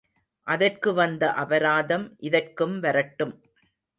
அதற்கு வந்த அபராதம் இதற்கும் வரட்டும்.